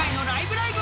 ライブ！」